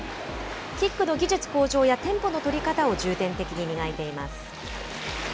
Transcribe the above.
キックの技術向上やテンポの取り方を重点的に磨いています。